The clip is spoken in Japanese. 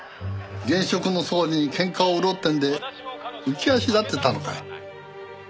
現職の総理に喧嘩を売ろうってんで浮き足立ってたのかい？